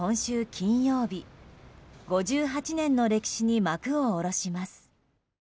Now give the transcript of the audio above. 金曜日５８年の歴史に幕を下ろします。